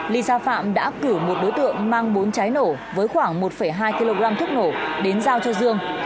lisa phạm đã cử một đối tượng mang bốn trái nổ với khoảng một hai kg thức nổ đến giao cho dương